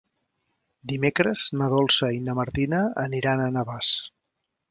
Dimecres na Dolça i na Martina aniran a Navàs.